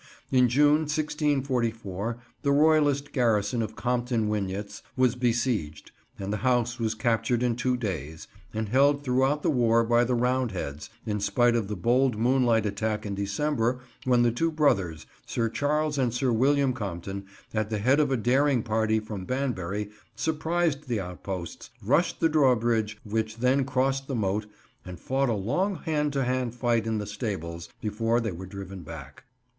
In June 1644, the Royalist garrison of Compton Wynyates was besieged, and the house was captured in two days, and held throughout the war by the Roundheads, in spite of the bold moonlight attack in December, when the two brothers, Sir Charles and Sir William Compton, at the head of a daring party from Banbury, surprised the outposts, rushed the drawbridge which then crossed the moat, and fought a long hand to hand fight in the stables, before they were driven back.